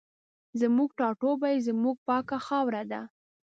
زموږ ټاټوبی زموږ پاکه خاوره ده